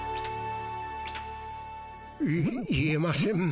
言えません。